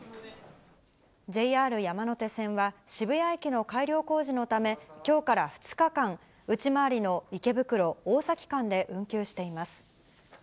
ＪＲ山手線は、渋谷駅の改良工事のため、きょうから２日間、内回りの池袋・大崎間で運休しています。